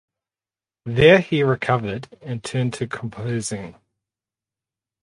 There he recovered and turned to composing.